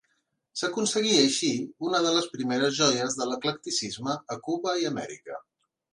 S'aconseguia, així, una de les primeres joies de l'eclecticisme a Cuba i a Amèrica.